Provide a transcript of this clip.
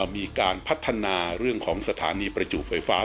มีการพัฒนาเรื่องของสถานีประจุไฟฟ้า